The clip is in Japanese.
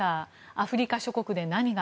アフリカ諸国で何が。